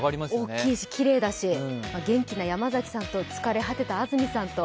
大きいし、きれいだし、元気な山崎さんと疲れ果てた安住さんと。